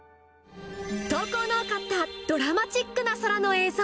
投稿の多かったドラマチックな空の映像。